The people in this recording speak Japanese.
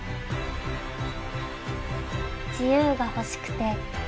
自由が欲しくて。